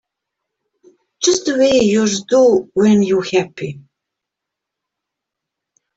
Just the way yours do when you're happy.